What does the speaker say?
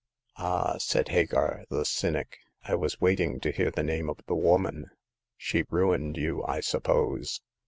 Ah !'' said Hagar, the cynic. " I was w^aiting to hear the name of the woman. She ruined you, I suppose